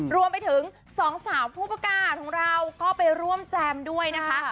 รวมไปถึงสองสาวผู้ประกาศของเราก็ไปร่วมแจมด้วยนะคะ